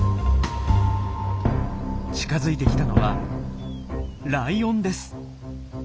近づいてきたのはライオンです。